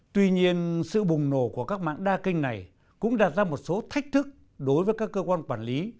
tuy nhiên sự bùng nổ của các mạng đa kênh này cũng đặt ra một số thách thức đối với các cơ quan quản lý